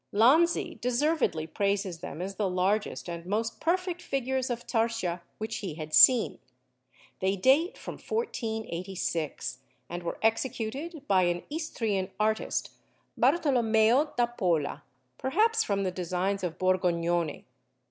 Lanzi deservedly praises them as the largest and most perfect figures of tarsia which he had seen. They date from 1486, and were executed by an Istrian artist, Bartolommeo da Pola, perhaps from the designs of Borgognone.